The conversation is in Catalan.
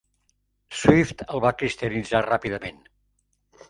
Swift el va cristianitzar ràpidament.